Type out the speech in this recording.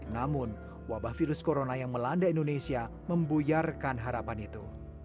namun wabah virus corona yang melanda indonesia membuyarkan harapan itu